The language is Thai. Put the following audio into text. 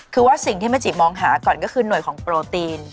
คือว่าสิ่งที่แม่จิมองหาก่อนก็คือหน่วยของโปรตีน